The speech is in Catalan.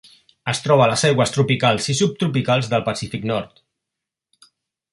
Es troba a les aigües tropicals i subtropicals del Pacífic nord.